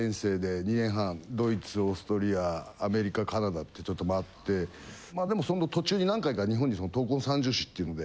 ドイツオーストリアアメリカカナダってちょっと回ってまあでもその途中に何回か日本に闘魂三銃士っていうので。